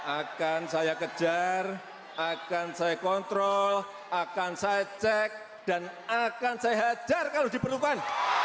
akan saya kejar akan saya kontrol akan saya cek dan akan saya hajar kalau diperlukan